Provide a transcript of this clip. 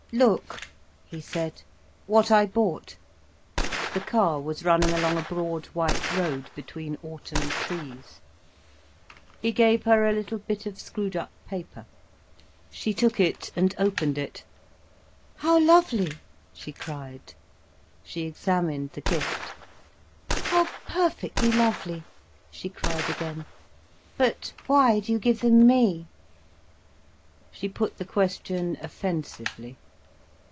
"Look," he said, "what I bought." The car was running along a broad white road, between autumn trees. He gave her a little bit of screwed up paper. She took it and opened it. "How lovely," she cried. She examined the gift. "How perfectly lovely!" she cried again. "But why do you give them me?" She put the question offensively.